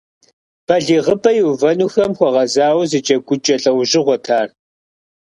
Балигъыпӏэ иувэнухэм хуэгъэзауэ зы джэгукӀэ лӀэужьыгъуэт ар.